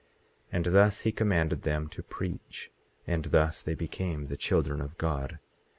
18:22 And thus he commanded them to preach. And thus they became the children of God.